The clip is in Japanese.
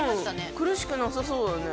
苦しくなさそうだね。